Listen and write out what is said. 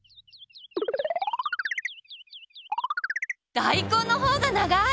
大根のほうが長い